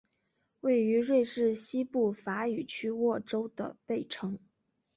位于瑞士西部法语区沃州的贝城。